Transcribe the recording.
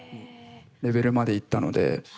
レベルまでいったので。